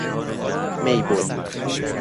میبد